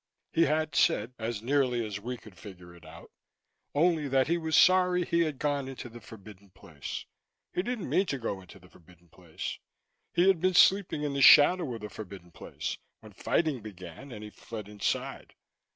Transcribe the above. He had said, as nearly as we could figure it out, only that he was sorry he had gone into the forbidden place, he didn't mean to go into the forbidden place, he had been sleeping in the shadow of the forbidden place when fighting began and he fled inside.